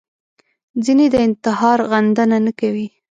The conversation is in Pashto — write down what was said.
ځینې د انتحار غندنه نه کوي